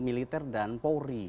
militer dan pori